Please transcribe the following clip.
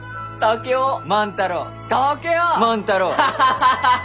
ハハハハハ！